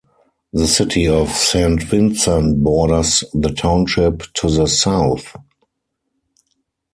The city of Saint Vincent borders the township to the south.